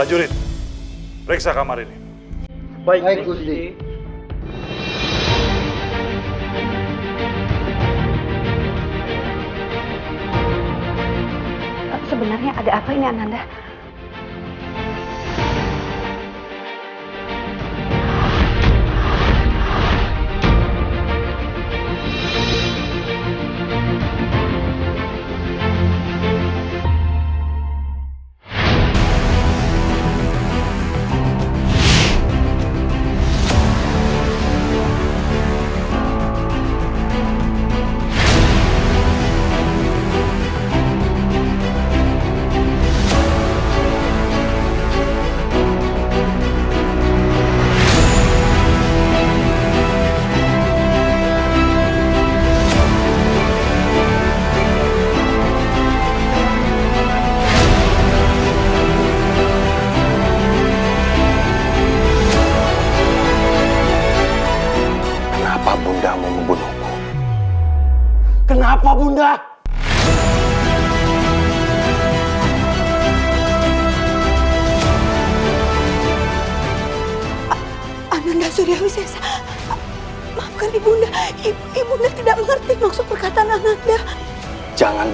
untuk memeriksa kamar ibu dan ratu subang narang